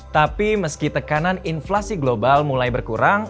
tapi meski tekanan inflasi global mulai berkurang